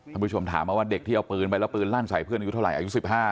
ผู้ชมถามมาว่าเด็กที่เอาปืนไปแล้วปืนลั่นใส่เพื่อนอายุเท่าไหร่อายุ๑๕